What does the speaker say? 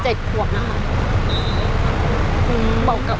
เด็ก๗ควบนะค่ะ